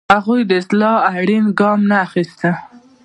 هغوی د اصلاح اړین ګام نه اخیسته.